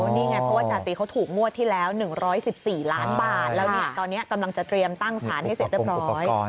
นี่ไงเพราะว่าจาติเขาถูกงวดที่แล้ว๑๑๔ล้านบาทแล้วตอนนี้กำลังจะเตรียมตั้งสารให้เสร็จเรียบร้อย